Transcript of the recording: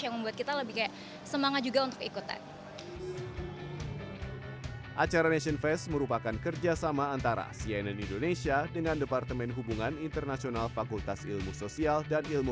yang membuat kita lebih kayak semangat juga untuk ikutan